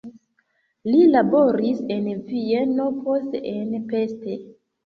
Li laboris en Vieno, poste en Pest.